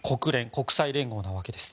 国際連合なわけです。